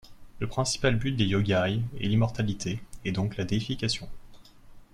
Le principal but des yāoguài est l'immortalité et donc la déification.